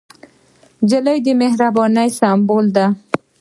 نجلۍ د مهربانۍ سمبول ده.